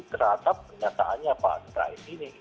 terhadap pernyataannya pak rais ini